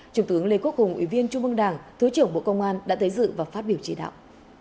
trung tướng lê quốc hùng ủy viên trung mương đảng thủ tướng bộ công an đã tới dự và phát biểu chỉ đạo